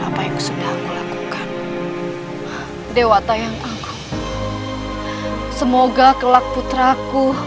apakah pasukanku dengan para pemberontak